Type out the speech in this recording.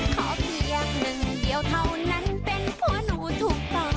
ขอเพียงหนึ่งเดียวเท่านั้นเป็นผัวหนูถูกต้อง